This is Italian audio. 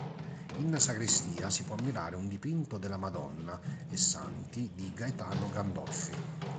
In sacrestia, si può ammirare un dipinto della Madonna e Santi di Gaetano Gandolfi.